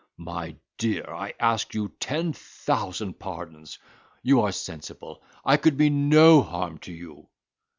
My dear, I ask you ten thousand pardons; you are sensible, I could mean no harm to you."